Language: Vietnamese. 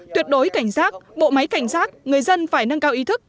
tuyệt đối cảnh giác bộ máy cảnh giác người dân phải nâng cao ý thức